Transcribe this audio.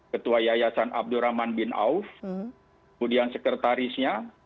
ketua yayasan abdurrahman bin auf kemudian sekretarisnya